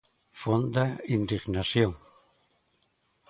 "Fonda indignación".